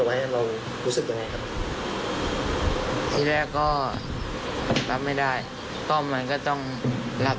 เราให้รู้สึกยังไงเขาร่ายละก็รับไม่ได้ความมันก็ต้องรับ